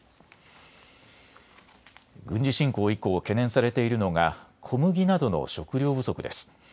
軍事侵攻以降、懸念されているのが小麦などの食料不足です。